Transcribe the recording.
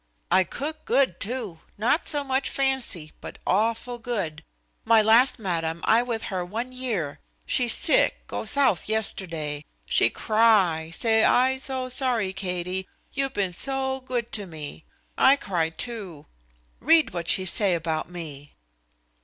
I cook good, too; not so much fancy, but awful good. My last madam, I with her one year. She sick, go South yesterday. She cry, say 'I so sorry, Katie; you been so good to me.' I cry, too. Read what she say about me."